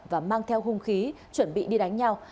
và mang theo hung khí chuẩn bị đi đánh nhau